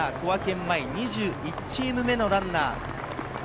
前、２１チーム目のランナー。